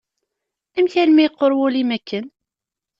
Amek armi yeqqur wul-im akken?